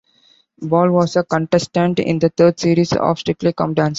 Ball was a contestant in the third series of "Strictly Come Dancing".